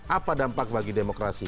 apa dampak bagi demokrasi